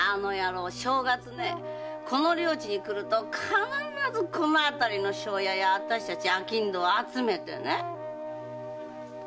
正月にこの領地に来ると必ずこのあたりの庄屋や私達・商人を集めてね。